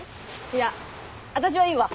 いや私はいいわ。